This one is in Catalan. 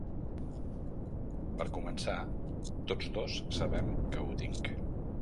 Per començar, tots dos sabem que ho tinc.